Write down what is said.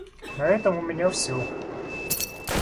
На этом у меня все.